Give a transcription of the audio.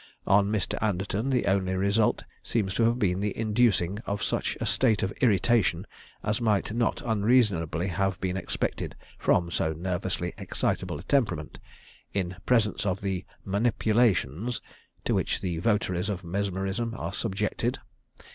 On Mr. Anderton the only result seems to have been the inducing of such a state of irritation as might not unreasonably have been expected from so nervously excitable a temperament, in presence of the "manipulations" to which the votaries of mesmerism are subjected.